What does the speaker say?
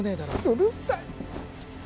うるさい